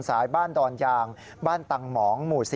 สายบ้านดอนยางบ้านตังหมองหมู่๔